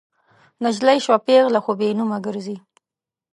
نجلۍ شوه پیغله خو بې نومه ګرزي